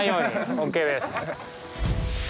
ＯＫです。